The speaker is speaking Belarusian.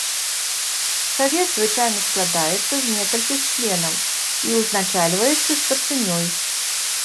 Савет звычайна складаецца з некалькіх членаў і узначальваецца старшынёй.